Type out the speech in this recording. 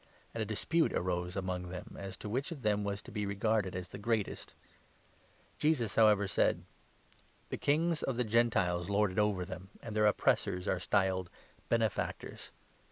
The Dignity And a dispute arose among them as to which 24 of service, of them was to be regarded as the greatest. Jesus, 25 however, said : "The kings of the Gentiles lord it over them, and their oppressors are styled ' Benefactors.'